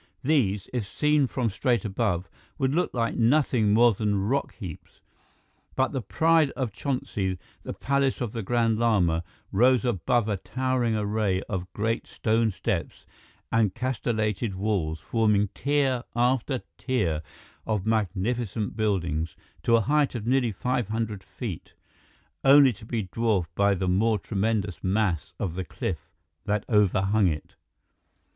These, if seen from straight above, would look like nothing more than rock heaps. But the pride of Chonsi, the palace of the Grand Lama, rose above a towering array of great stone steps and castellated walls forming tier after tier of magnificent buildings to a height of nearly five hundred feet, only to be dwarfed by the more tremendous mass of the cliff that overhung it.